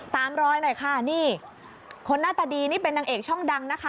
ตามรอยหน่อยค่ะนี่คนหน้าตาดีนี่เป็นนางเอกช่องดังนะคะ